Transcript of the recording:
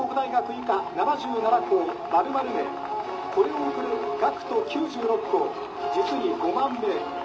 以下７７校○○名これを送る学徒９６校実に５万名。